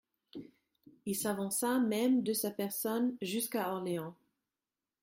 Il s'avança même de sa personne jusqu'à Orléans.